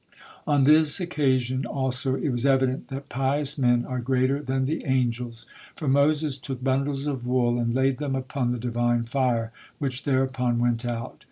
On this occasion also it was evident that pious men are greater than the angels, for Moses took bundles of wool and laid them upon the Divine fire, which thereupon went out.